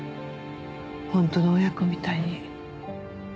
本当の親子みたいに。